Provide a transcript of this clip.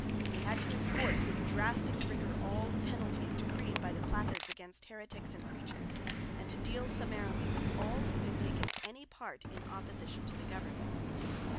He had to enforce with drastic rigour all the penalties decreed by the placards against heretics and preachers, and to deal summarily with all who had taken any part in opposition to the government.